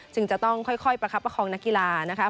จึงจะต้องค่อยประคับประคองนักกีฬานะคะ